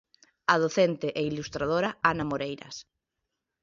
A docente e ilustradora Ana Moreiras.